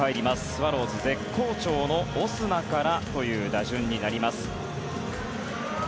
スワローズは絶好調のオスナからという打順になります。